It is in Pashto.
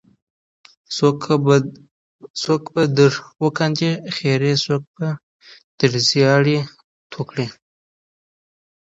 څوک به در وکاندې خیرې څوک بم در زیاړې توه کړي.